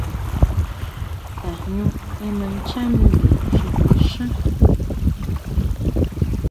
Tajñú ema nchá miyo xi í xán.